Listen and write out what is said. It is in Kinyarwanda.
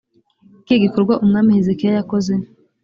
ikihe gikorwa umwami hezekiya yakoze